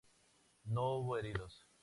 No hubo heridos.